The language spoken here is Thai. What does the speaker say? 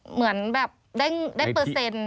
เหมือนแบบได้เปอร์เซ็นต์